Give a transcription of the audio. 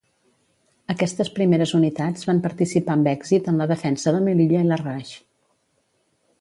Aquestes primeres unitats van participar amb èxit en la defensa de Melilla i Larraix.